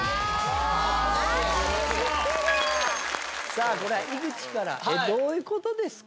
さあこれは井口からどういうことですか？